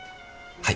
はい。